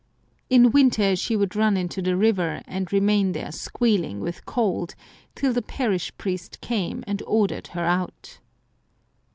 In winter she would run into the river and remain there squealing with cold, till the parish priest came and ordered her out.